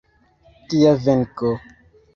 Kia venko!